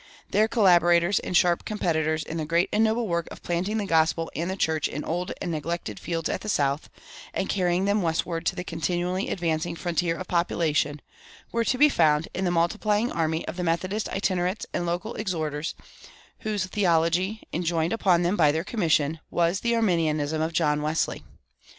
Their collaborators and sharp competitors in the great and noble work of planting the gospel and the church in old and neglected fields at the South, and carrying them westward to the continually advancing frontier of population, were to be found in the multiplying army of the Methodist itinerants and local exhorters, whose theology, enjoined upon them by their commission, was the Arminianism of John Wesley.